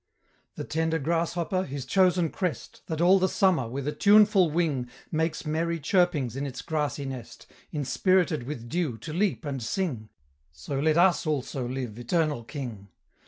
"The tender grasshopper, his chosen crest, That all the summer, with a tuneful wing, Makes merry chirpings in its grassy nest, Inspirited with dew to leap and sing: So let us also live, eternal King!